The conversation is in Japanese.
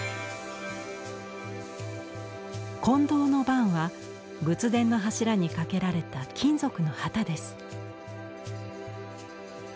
「金銅幡」は仏殿の柱にかけられた金属の旗です。